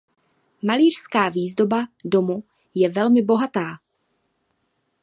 Malířská výzdoba domu je velmi bohatá.